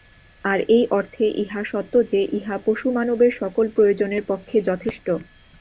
আর এই অর্থে ইহা সত্য যে, ইহা পশু-মানবের সকল প্রয়োজনের পক্ষে যথেষ্ট।